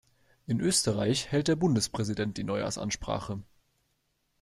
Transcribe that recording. In Österreich hält der Bundespräsident die Neujahrsansprache.